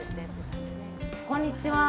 こんにちは。